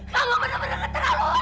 kamu benar benar terlalu ha